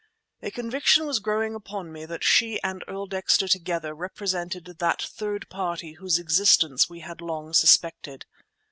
A conviction was growing upon me that she and Earl Dexter together represented that third party whose existence we had long suspected.